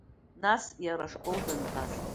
Нас иара ашкол данҭаз…